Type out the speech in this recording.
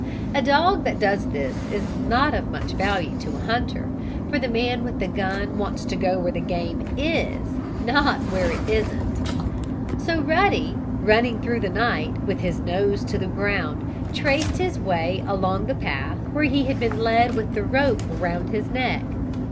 A dog that does this is not of much value to a hunter, for the man with the gun wants to go where the game is, not where it isn't. So Ruddy, running through the night, with his nose to the ground, traced his way along the path where he had been led with the rope around his neck.